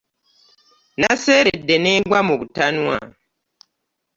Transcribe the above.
Naseeredde ne ngwa mu butanwa.